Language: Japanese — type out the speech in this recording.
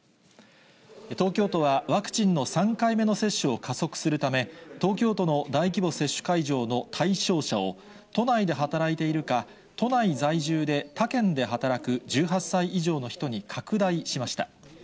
東京都は、ワクチンの３回目の接種を加速するため、東京都の大規模接種会場の対象者を、都内で働いているか、都内在住で他県で働く１８歳以上の人に拡大しました。